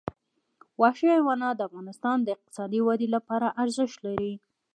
وحشي حیوانات د افغانستان د اقتصادي ودې لپاره ارزښت لري.